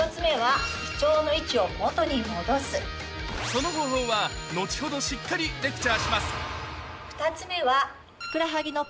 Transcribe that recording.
その方法は後ほどしっかりレクチャーします